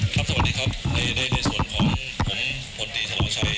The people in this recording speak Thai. ครับสวัสดีครับในในส่วนของผมพลตรีฉลองชัย